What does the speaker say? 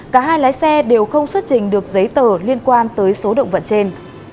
cả hai lái xe đều không xuất trình được giấy tờ liên quan tới số động vật trên